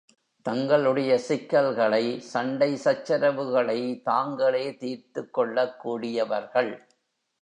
தங்களுடைய சிக்கல்களை, சண்டை சச்சரவுகளை தாங்களே தீர்த்துக் கொள்ளக்கூடியவர்கள்.